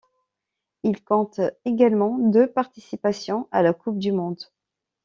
Il compte également deux participations à la coupe du monde.